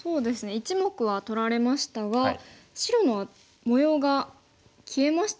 １目は取られましたが白の模様が消えましたね。